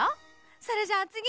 それじゃあつぎ！